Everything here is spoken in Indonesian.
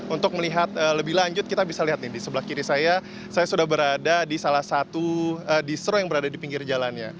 untuk melihat lebih lanjut kita bisa lihat nih di sebelah kiri saya saya sudah berada di salah satu distro yang berada di pinggir jalannya